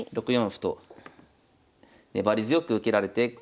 ６四歩と粘り強く受けられて。